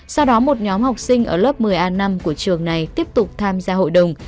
sau đó một nhóm học sinh ở lớp một mươi a năm của trường này tiếp tục tham gia hội đồng